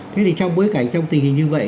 thế thì trong bối cảnh trong tình hình như vậy